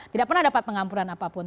tidak pernah dapat pengampuran apapun